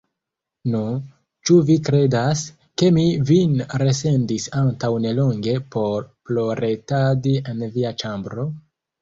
Nu, ĉu vi kredas, ke mi vin resendis antaŭ nelonge por ploretadi en via ĉambro?